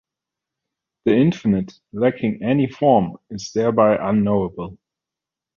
The infinite, lacking any form, is thereby unknowable.